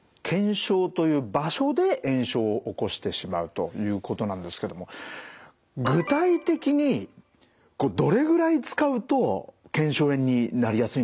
腱鞘という場所で炎症を起こしてしまうということなんですけども具体的にどれぐらい使うと腱鞘炎になりやすいのか？